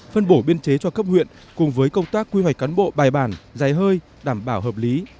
phân bổ biên chế cho cấp huyện cùng với công tác quy hoạch cán bộ bài bản dài hơi đảm bảo hợp lý